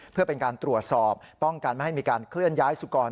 เพื่อเป็นการตรวจสอบป้องกันไม่ให้มีการเคลื่อนย้ายสุกร